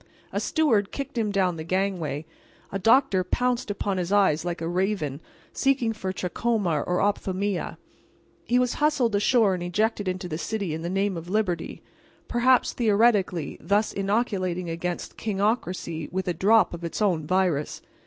A steward kicked him down the gangway, a doctor pounced upon his eyes like a raven, seeking for trachoma or ophthalmia; he was hustled ashore and ejected into the city in the name of Liberty—perhaps, theoretically, thus inoculating against kingocracy with a drop of its own virus.